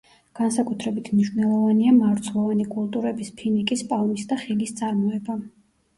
განსაკუთრებით მნიშვნელოვანია მარცვლოვანი კულტურების, ფინიკის პალმის და ხილის წარმოება.